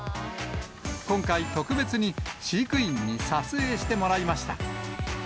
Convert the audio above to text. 今回、特別に飼育員に撮影してもらいました。